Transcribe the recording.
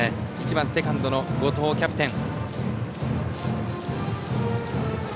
１番セカンドの後藤キャプテン。